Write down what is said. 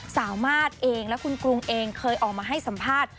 สามารถเองและคุณกรุงเองเคยออกมาให้สัมภาษณ์